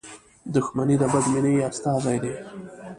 دښمن د بدبینۍ استازی دی